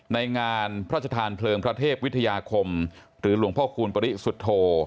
ในงานพระชธานเพลิงพระเทพวิทยาคมหรือหลวงพ่อคูณปริสุทธโธ